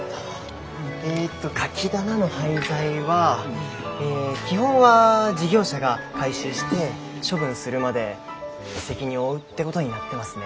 えっとカキ棚の廃材は基本は事業者が回収して処分するまで責任を負うってことになってますね。